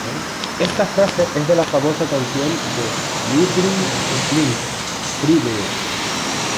Esta frase es de la famosa canción de Lynyrd Skynyrd, "Free Bird"